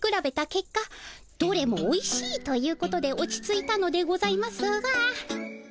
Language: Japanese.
どれもおいしいということで落ち着いたのでございますが。